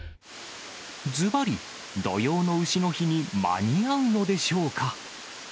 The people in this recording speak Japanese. ずばり、土用のうしの日に間に合うのでしょうか。